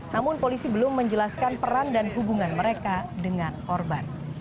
namun polisi belum menjelaskan peran dan hubungan mereka dengan korban